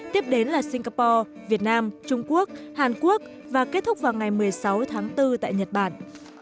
tiếp đến là singapore việt nam trung quốc hàn quốc và kết thúc vào ngày một mươi sáu tháng bốn tại nhật bản